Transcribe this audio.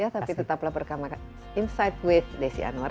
ya tapi tetaplah berkamar insight with desi anwar